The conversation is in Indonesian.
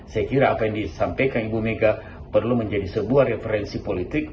saya kira apa yang disampaikan ibu mega perlu menjadi sebuah referensi politik